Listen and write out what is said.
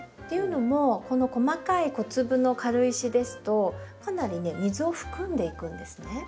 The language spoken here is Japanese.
というのもこの細かい小粒の軽石ですとかなりね水を含んでいくんですね。